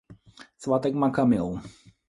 Svátek má Kamil.